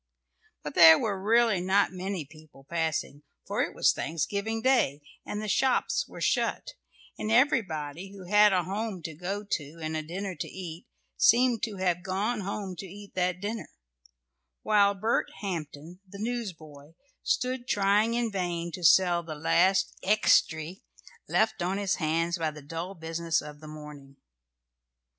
] But there were really not many people passing, for it was Thanksgiving Day, and the shops were shut, and everybody who had a home to go to and a dinner to eat seemed to have gone home to eat that dinner, while Bert Hampton, the newsboy, stood trying in vain to sell the last "extry" left on his hands by the dull business of the morning.